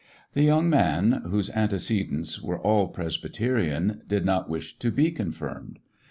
The young man, whose antece dents were all Presbyterian, did not wish to be confirmed.